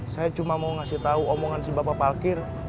saya cuma mau ngasih tahu omongan si bapak parkir